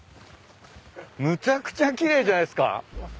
むちゃくちゃ奇麗じゃないっすか。